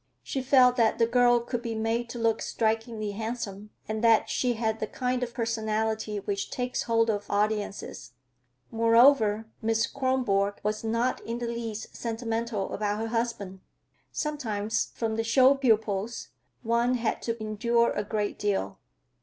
She felt that the girl could be made to look strikingly handsome, and that she had the kind of personality which takes hold of audiences. Moreover, Miss Kronborg was not in the least sentimental about her husband. Sometimes from the show pupils one had to endure a good deal.